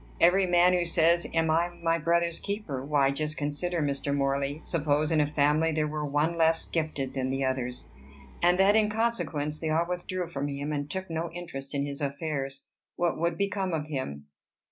"Every man who says, Am I my brother's keeper? Why, just consider, Mr. Morley: suppose in a family there were one less gifted than the others, and that in consequence they all withdrew from him, and took no interest in his affairs: what would become of him?